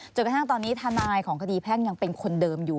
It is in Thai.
จนกระทั่งตอนนี้ทนายของคดีแพ่งยังเป็นคนเดิมอยู่